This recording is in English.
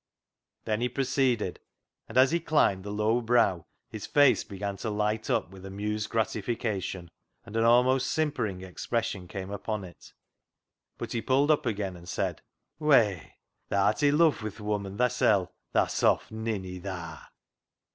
" Then he proceeded, and as he climbed the low " brow " his face began to light up with amused gratification, and an almost simpering expression came upon it, but he pulled up again and said —" Whey, tha'rt i' luv wi' th' woman thysel', tha soft ninny, thaa